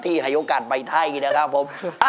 ให้โอกาสไปไทยนะครับผม